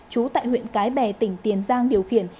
trú tại huyện cái bè tỉnh tiền giang điều khiển